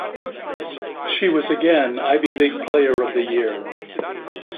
She was again Ivy League Player of the Year.